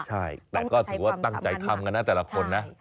ใช่แต่ก็ถือว่าตั้งใจทำกันนะแต่ละคนนะ